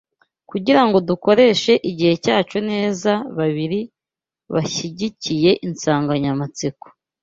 kugira ngo dukoreshe igihe cyacu neza babiri bashyigikiye insanganyamatsiko